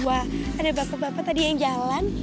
ada bapa bapa tadi yang jalan